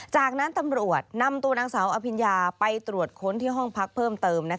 จากนั้นตำรวจนำตัวนางสาวอภิญญาไปตรวจค้นที่ห้องพักเพิ่มเติม